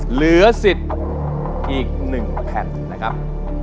เหลือสิทธิ์อีก๑แผ่นนะครับ